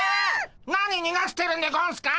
何にがしてるんでゴンスか！